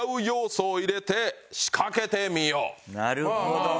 なるほど。